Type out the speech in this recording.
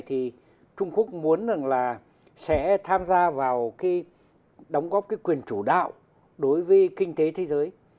thì trung quốc muốn rằng là sẽ tham gia vào cái đóng góp cái quyền chủ đạo đối với kinh tế thế giới